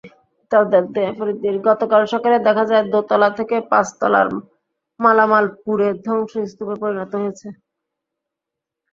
গতকাল সকালে দেখা যায়, দোতলা থেকে পাঁচতলার মালামাল পুড়ে ধ্বংসস্তূপে পরিণত হয়েছে।